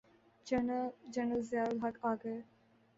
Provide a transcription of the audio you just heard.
General Zia ul-Haq آ گئے۔